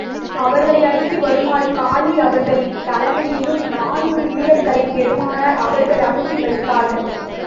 அவரை அடக்கி வருமாறு காலித் அவர்களின் தலைமையில் நானுாறு வீரர்களைப் பெருமானார் அவர்கள் அனுப்பி வைத்தார்கள்.